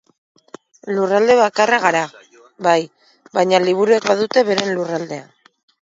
Lurralde bakarra gara, bai, baina liburuek badute beren lurraldea.